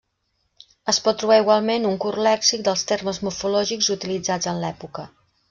Es pot trobar igualment un curt lèxic dels termes morfològics utilitzats en l'època.